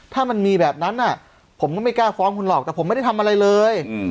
ถ้ามันมีแบบนั้นผมก็ไม่กล้าฟ้องคุณหรอกแต่ผมไม่ได้ทำอะไรเลย